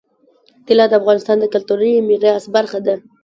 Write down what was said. طلا د افغانستان د کلتوري میراث برخه ده.